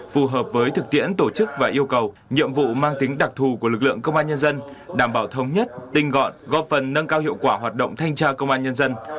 phù hợp với thực tiễn tổ chức và yêu cầu nhiệm vụ mang tính đặc thù của lực lượng công an nhân dân đảm bảo thống nhất tinh gọn góp phần nâng cao hiệu quả hoạt động thanh tra công an nhân dân